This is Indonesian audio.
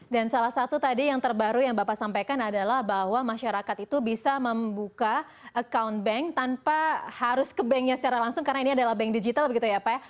dan salah satu tadi yang terbaru yang bapak sampaikan adalah bahwa masyarakat itu bisa membuka account bank tanpa harus ke banknya secara langsung karena ini adalah bank digital begitu ya pak